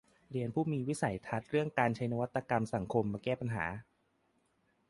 ผู้มีวิสัยทัศน์เรื่องการใช้นวัตกรรมสังคมมาแก้ปัญหา